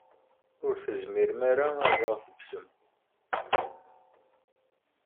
Ur tezmirem ara ad ɣ-tḥebsem.